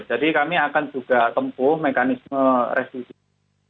jadi kami akan juga tempuh mekanisme restitusi